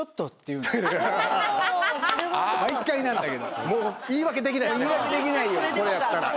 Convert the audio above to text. もう言い訳できない。